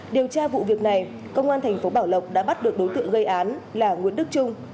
điều tra vụ việc này công an thành phố bảo lộc đã bắt được đối tượng gây án là nguyễn đức trung